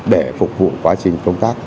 để phục vụ quá trình công tác